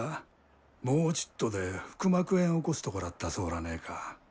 もうちっとで腹膜炎起こすとこらったそうらねえか。